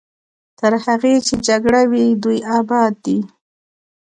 تر هغې چې جګړه وي دوی اباد دي.